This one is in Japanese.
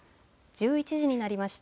１１時になりました。